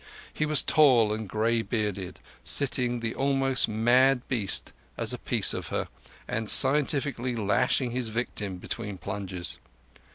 He was tall and grey bearded, sitting the almost mad beast as a piece of her, and scientifically lashing his victim between plunges.